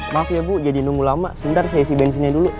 maaf ya bu jadi nunggu lama sebentar sesi bensinnya dulu